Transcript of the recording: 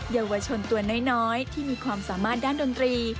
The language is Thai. เยาวชนตัวน้อยที่มีความสามารถด้านดนตรี